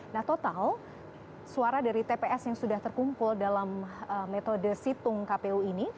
nah total suara dari tps yang sudah terkumpul dalam metode situng kpu ini